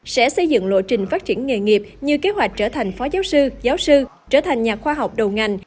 sẽ xây dựng lộ trình phát triển nghề nghiệp như kế hoạch trở thành phó giáo sư giáo sư trở thành nhà khoa học đầu ngành